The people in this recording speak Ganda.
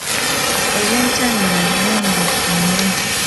Ebyentambula birongoofu nnyo.